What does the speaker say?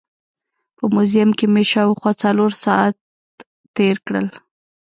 په موزیم کې مې شاوخوا څلور ساعت تېر کړل.